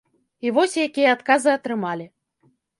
І вось якія адказы атрымалі.